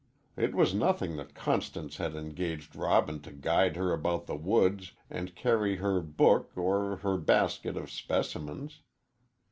It was nothing that Constance had engaged Robin to guide her about the woods and carry her book or her basket of specimens.